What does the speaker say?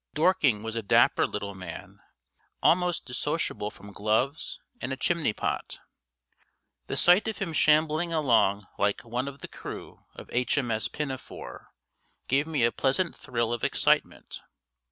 Dorking was a dapper little man, almost dissociable from gloves and a chimneypot. The sight of him shambling along like one of the crew of H. M. S. Pinafore gave me a pleasant thrill of excitement.